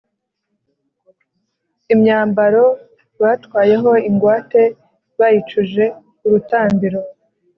imyambaro batwaye ho ingwate bayicuje urutambiro,